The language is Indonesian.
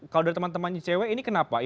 kalau dari teman teman cewek ini kan berarti